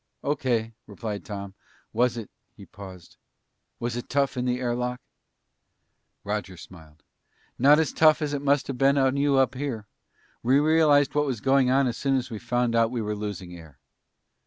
"O.K.," replied Tom. "Was it" he paused "was it tough in the air lock?" Roger smiled. "Not as tough as it must have been on you up here. We realized what was going on as soon as we found out we were losing air."